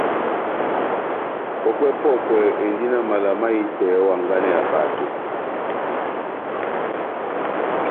Pɔ́kwɛ-pɔkwɛ endi na mala mahitɛ ó hanganɛ ya bato.